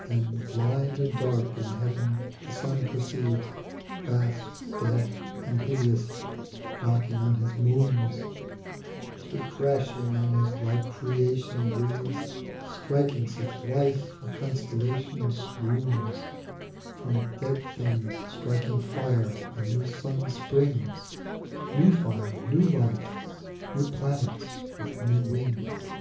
Then blind and dark in heaven the sun proceeds, Vast, dead and hideous, knocking on his moons, Till crashing on his like creation breeds, Striking such life, a constellation swoons ; From dead things striking fire a new sun springs, New fire, new life, new planets with new wings.